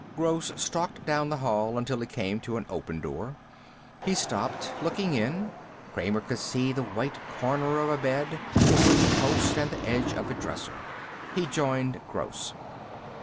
Gross stalked down the hall until he came to an open door. He stopped, looking in. Kramer could see the white corner of a bed, a wooden post and the edge of a dresser. He joined Gross.